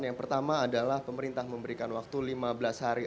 yang pertama adalah pemerintah memberikan waktu lima belas hari